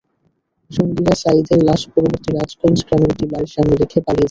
সঙ্গীরা সাঈদের লাশ পার্শ্ববর্তী রাজগঞ্জ গ্রামের একটি বাড়ির সামনে রেখে পালিয়ে যায়।